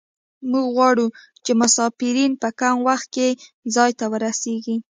موږ غواړو چې مسافرین په کم وخت کې ځای ته ورسیږي